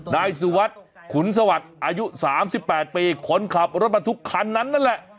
นายรินคุณสวัทพ์อายุ๓๘ปีขนขับรถมันถึงคันนั้นแหละ